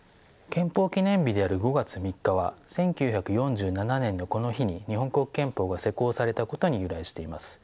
憲法記念日である５月３日は１９４７年のこの日に日本国憲法が施行されたことに由来しています。